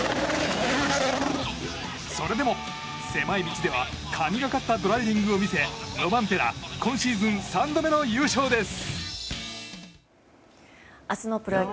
それでも、狭い道では神がかったドライビングを見せロバンペラ今シーズン３度目の優勝です。